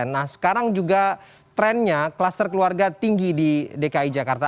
nah sekarang juga trennya kluster keluarga tinggi di dki jakarta